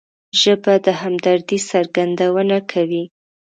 ژبه د همدردۍ څرګندونه کوي